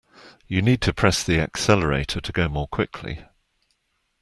You need to press the accelerator to go more quickly